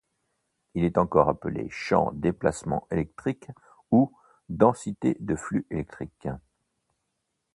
Il est encore appelé champ déplacement électrique ou densité de flux électrique.